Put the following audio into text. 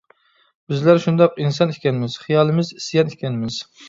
بىزلەر شۇنداق ئىنسان ئىكەنمىز، خىيالىمىز «ئىسيان» ئىكەنمىز.